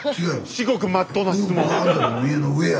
至極まっとうな質問。